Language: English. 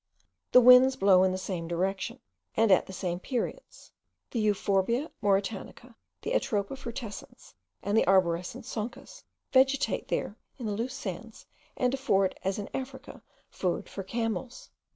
The winds blow in the same direction, and at the same periods: the Euphorbia mauritanica, the Atropa frutescens, and the arborescent Sonchus, vegetate there in the loose sands, and afford, as in Africa, food for camels.